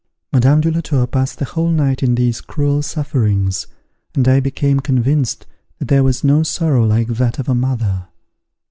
Madame de la Tour passed the whole night in these cruel sufferings, and I became convinced that there was no sorrow like that of a mother.